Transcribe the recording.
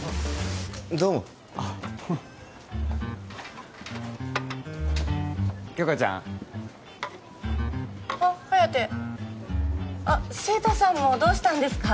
どうもあっ杏花ちゃんあっ颯あっ晴太さんもどうしたんですか？